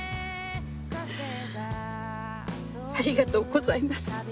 ありがとうございます。